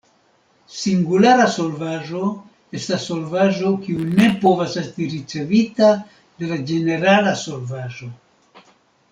Singulara solvaĵo estas solvaĵo kiu ne povas esti ricevita de la ĝenerala solvaĵo.